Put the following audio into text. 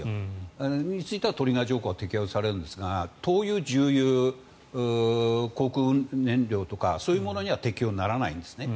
それについてはトリガー条項が適用されるんですが灯油、重油、航空燃料とかそういうものには適用にならないんですね。